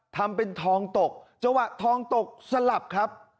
ทำเป็นทองตกจังหวะทองตกสลับครับ